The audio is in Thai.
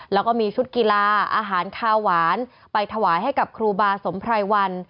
แล้วก็มีชุดกีฬาอาหารคาวหวานไปถวายให้กับครูบาสมไพรวัน